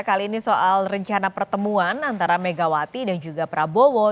kali ini soal rencana pertemuan antara megawati dan juga prabowo